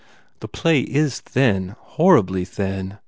The play is thin horribly thin.